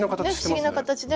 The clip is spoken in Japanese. ね不思議な形ね。